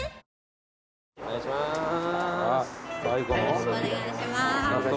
よろしくお願いします。